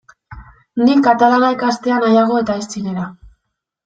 Nik katalana ikastea nahiago eta ez txinera.